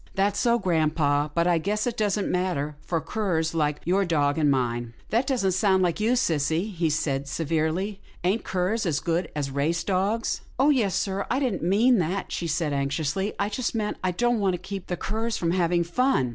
" That's so, grampa, but I guess it don't matter for curs like your dog and mine." " That don't sound like you, sissy," he said se verely; "ain't curs as good as race dogs?" 128 'TILDA JANE'S ORPHANS " Oh yes, sir, I didn't mean that," she said, anx iously, " I just meant I didn't want to keep the curs from having fun.